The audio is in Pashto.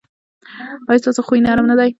ایا ستاسو خوی نرم نه دی؟